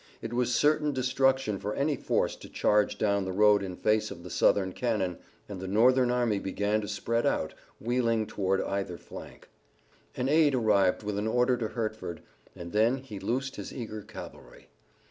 It was certain destruction for any force to charge down the road in face of the Southern cannon, and the Northern army began to spread out, wheeling toward either flank. An aide arrived with an order to Hertford, and then he loosed his eager cavalry.